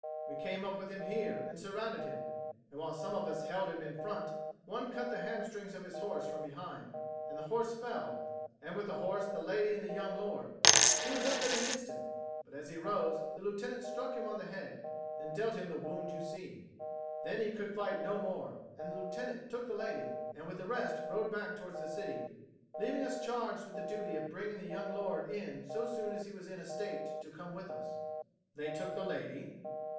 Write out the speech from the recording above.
"We came up with him here, and surrounded him; and while some of us held him in front, one cut the hamstrings of his horse from behind; and the horse fell, and with the horse the lady and the young lord. He was up in an instant; but as he rose, the lieutenant struck him on the head and dealt him the wound you see. Then he could fight no more; and the lieutenant took the lady, and with the rest rode back towards the city, leaving us charged with the duty of bringing the young lord in so soon as he was in a state to come with us." "They took the lady?"